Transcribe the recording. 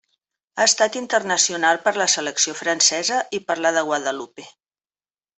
Ha estat internacional per la selecció francesa i per la de Guadalupe.